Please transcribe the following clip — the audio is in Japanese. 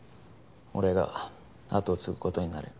俺が後を継ぐ事になる。